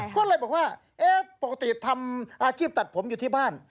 ก็เลยบอกว่าปกติทำอาชีพตัดผมอยู่ที่บ้าน